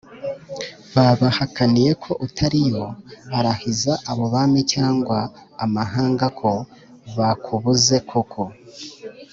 Babahakaniye ko utariyo, arahiza abo bami cyangwa amahanga ko bakubuze koko